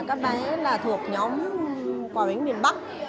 các bé là thuộc nhóm quà bánh miền bắc